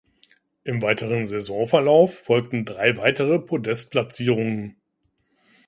Im weiteren Saisonverlauf folgten drei weitere Podest-Platzierungen.